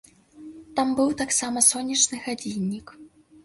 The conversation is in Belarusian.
Там быў таксама сонечны гадзіннік.